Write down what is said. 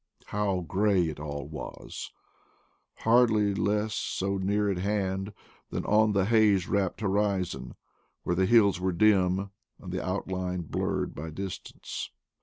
How gray it all was ! hardly less so near at hand than on the haze wrapped horizon, where the hills were dim and the outline blurred by distance.